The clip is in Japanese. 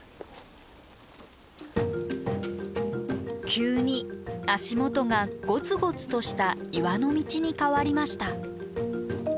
急に足元がゴツゴツとした岩の道に変わりました。